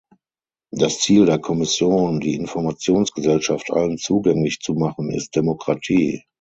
Das Ziel der Kommission, die Informationsgesellschaft allen zugänglich zu machen, ist Demokratie.